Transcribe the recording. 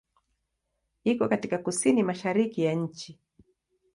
Iko katika kusini-mashariki ya nchi.